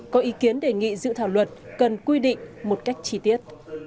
có ý kiến đề nghị dự thảo luật cần quy định một cách chi tiết